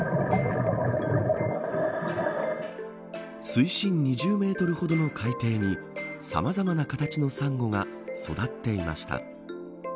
水深２０メートルほどの海底にさまざまな形のサンゴが育っていました。